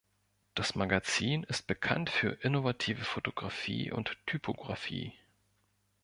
Das Magazin ist bekannt für innovative Fotografie und Typographie.